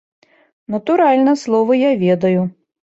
Натуральна, словы я ведаю.